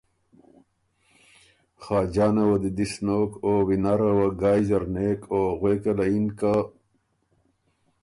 خاجانه وه دی دِس نوک او وینره وه ګایٛ زر نېک او غوېکه له یِن که